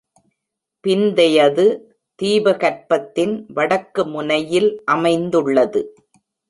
பிந்தையது தீபகற்பத்தின் வடக்கு முனையில் அமைந்துள்ளது.